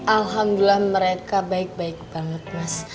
alhamdulillah mereka baik baik banget mas